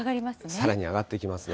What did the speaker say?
さらに上がっていきますね。